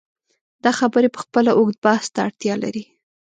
دا خبرې پخپله اوږد بحث ته اړتیا لري.